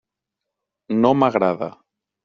No m'agrada.